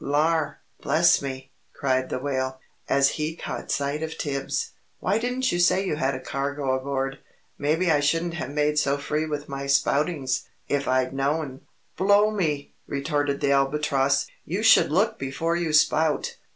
"Lar! Bless me!" cried the Whale, as he caught sight of Tibbs. "Why didn't you say you had a cargo aboard. Maybe I shouldn't have made so free with my spoutings, if I'd known." "Blow me!" retorted the Albatross, "you should look before you spout!"